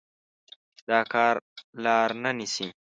دا کار لار نه نيسي.